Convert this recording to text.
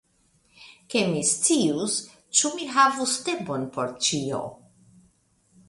Ke mi scius, ĉu mi havus tempon por ĉio.